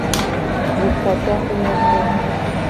Dukotoxunoto.